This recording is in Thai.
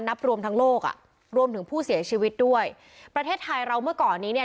นับรวมทั้งโลกอ่ะรวมถึงผู้เสียชีวิตด้วยประเทศไทยเราเมื่อก่อนนี้เนี่ย